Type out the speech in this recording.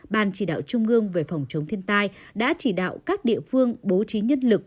ban chỉ đạo trung ương về phòng chống thiên tai đã chỉ đạo các địa phương bố trí nhân lực